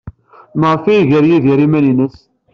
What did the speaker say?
Maɣef ay iger Yidir iman-nnes?